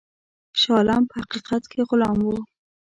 شاه عالم په حقیقت کې غلام وو.